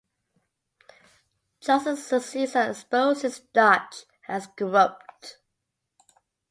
Johnson succeeds and exposes Dodge as corrupt.